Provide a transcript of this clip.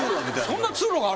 そんな通路があるんすか？